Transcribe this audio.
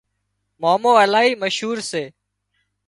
مامو الهي مشهور سي